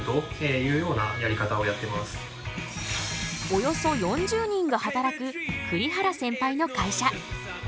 およそ４０人が働く栗原センパイの会社。